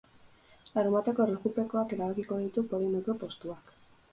Larunbateko erlojupekoak erabakiko ditu podiumeko postuak.